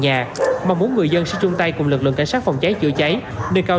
nhà mong muốn người dân sẽ chung tay cùng lực lượng cảnh sát phòng cháy chữa cháy nơi cao